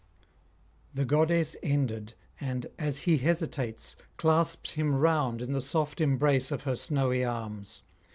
The goddess ended, and, as he hesitates, clasps him round in the soft embrace of her snowy arms.